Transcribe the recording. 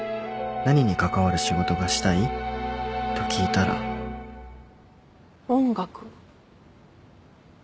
何に関わる仕事がしたい？と聞いたら音楽。